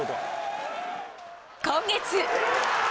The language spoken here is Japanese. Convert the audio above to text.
今月。